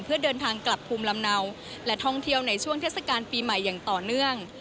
เพื่อเดินทางกลับภูมิลำเนาและท่องเที่ยวในช่วงเทศกาลปีใหม่อย่างต่อเนื่อง